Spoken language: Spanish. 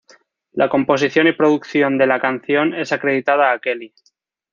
La composición y producción de la canción es acreditada a Kelly.